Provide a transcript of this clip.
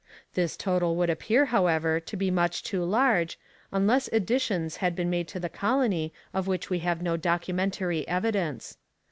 This total would appear, however, to be much too large, unless additions had been made to the colony of which we have no documentary evidence.